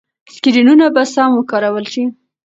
سکرینونه به سم وکارول شي.